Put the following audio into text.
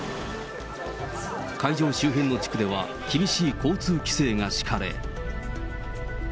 会場周辺の地区では、厳しい交通規制が敷かれ。